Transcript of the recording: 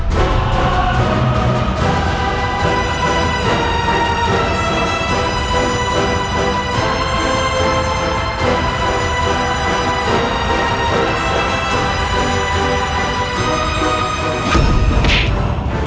kau akan menang